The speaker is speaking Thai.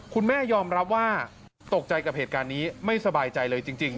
คุณแม่ยอมรับว่าตกใจกับเหตุการณ์นี้ไม่สบายใจเลยจริง